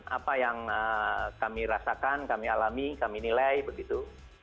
apa yang kami rasakan kami alami kami nilai begitu